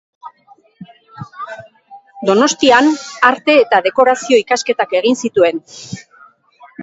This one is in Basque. Donostian arte eta dekorazio ikasketak egin zituen.